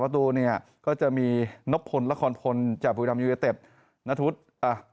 ประตูเนี่ยก็จะมีนกพลละครพลจากบุรีดำยูนิเต็ปนทุศอ่ะ